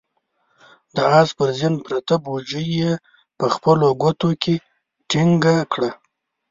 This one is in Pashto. د آس پر زين پرته بوجۍ يې په خپلو ګوتو کې ټينګه کړه.